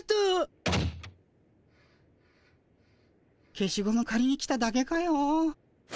消しゴムかりに来ただけかよ。